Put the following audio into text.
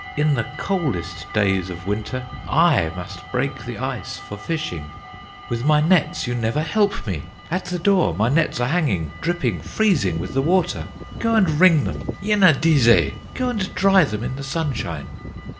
In the coldest days of Winter I must break the ice for fishing; With my nets you never help me! At the door my nets are hanging, Dripping, freezing with the water; Go and wring them, Yenadizze! Go and dry them in the sunshine!"